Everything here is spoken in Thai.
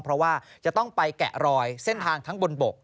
เพราะว่าจะต้องไปแกะรอยเส้นทางทั้งบนบก